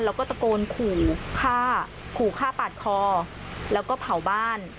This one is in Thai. แล้วก็ตะโกนขู่ฆ่าขู่ฆ่าปาดคอแล้วก็เผาบ้าน